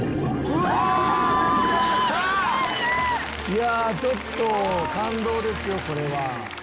いやちょっと感動ですよこれは。